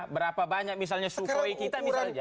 berapa banyak misalnya sukhoi kita misalnya